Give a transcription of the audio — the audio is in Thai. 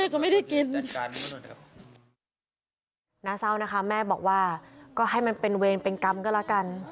น่าเศร้านะคะแม่บอกว่าก็ให้มันเป็นเวรเป็นกรรมก็แล้วกัน